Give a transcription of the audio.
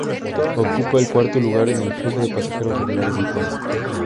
Ocupa el cuarto lugar en el flujo de pasajeros regulares del país.